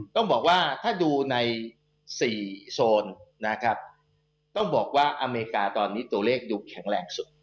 ต้องบอกว่าถ้าดูใน๔โซนนะครับต้องบอกว่าอเมริกาตอนนี้ตัวเลขดูแข็งแรงสุด